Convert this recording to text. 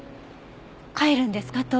帰るんですか？